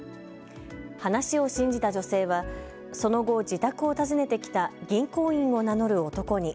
話を信じた女性はその後、自宅を訪ねてきた銀行員を名乗る男に。